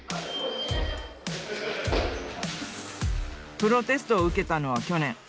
プロテストを受けたのは去年。